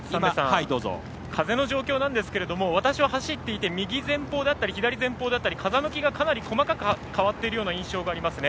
風の状況なんですけれども私は走っていて右前方、左前方だったり風向きがかなり細かく変わっている印象がありますね。